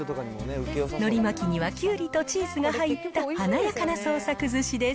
のり巻きにはキュウリとチーズが入った華やかな創作ずしです。